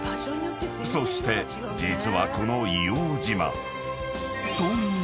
［そして実はこの硫黄島］